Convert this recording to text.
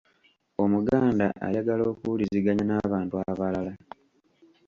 Omuganda ayagala okuwuliziganya n’abantu abalala.